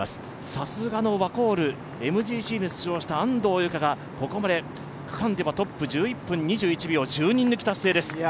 さすがのワコール、ＭＧＣで出場した安藤友香がここまで区間でトップ１１分２２秒、１０人抜き達成です。